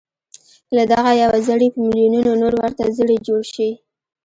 له دغه يوه زړي په ميليونونو نور ورته زړي جوړ شي.